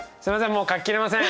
もう書ききれません。